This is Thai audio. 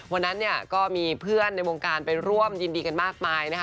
วันนั้นเนี่ยก็มีเพื่อนในวงการไปร่วมยินดีกันมากมายนะคะ